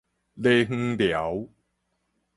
犁園寮